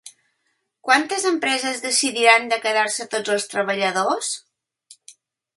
Quantes empreses decidiran de quedar-se tots els treballadors?